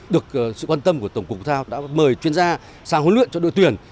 được sự quan tâm của tổng cục thể thao đã mời chuyên gia sang huấn luyện cho đội tuyển